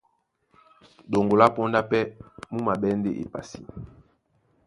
Ɗoŋgo lá póndá pɛ́ mú maɓɛ́ ndé epasi.